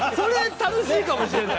楽しいかもしれない。